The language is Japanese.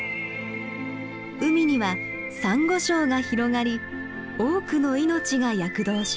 海にはサンゴ礁が広がり多くの命が躍動します。